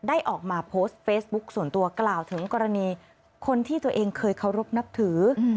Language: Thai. ออกมาโพสต์เฟซบุ๊คส่วนตัวกล่าวถึงกรณีคนที่ตัวเองเคยเคารพนับถือ